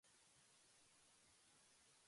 エジプトの首都はカイロである